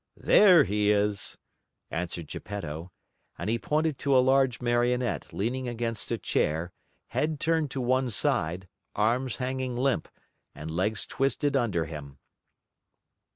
"There he is," answered Geppetto. And he pointed to a large Marionette leaning against a chair, head turned to one side, arms hanging limp, and legs twisted under him.